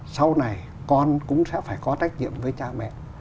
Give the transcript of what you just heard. sau này con cũng sẽ phải có trách nhiệm với cha mẹ